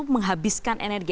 untuk menghabiskan energi